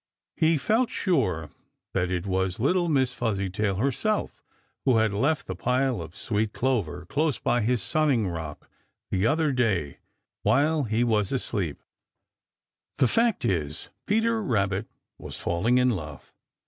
He felt sure that it was little Miss Fuzzytail herself who had left the pile of sweet clover close by his sunning bank the other day while he was asleep. The fact is, Peter Rabbit was falling in love.